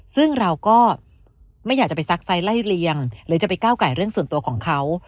ซึ่งเราก็ไม่อยากจะไปซักไซส์ไล่เลียงหรือจะไปก้าวไก่เรื่องส่วนตัวของเขา